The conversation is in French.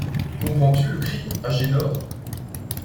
Comprends-tu le crime, Agénor ?